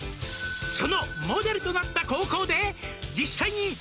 「そのモデルとなった高校で実際に」